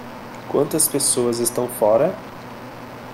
Quantas pessoas estão fora?